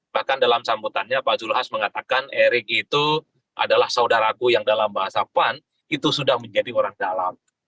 bahkan dalam sambutannya pak zulhas mengatakan erick itu adalah saudaraku yang dalam bahasa pan itu sudah menjadi orang dalam